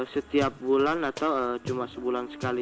setiap bulan atau cuma sebulan sekali